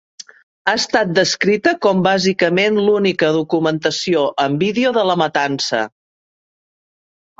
Ha estat descrita com "bàsicament l'única documentació en vídeo de la matança".